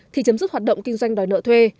thì chấm dứt hoạt động kinh doanh đòi nợ thuê